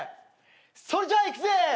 それじゃあいくぜ！